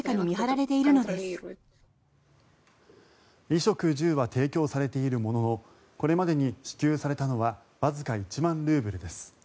衣食住は提供されているもののこれまでに支給されたのはわずか１万ルーブルです。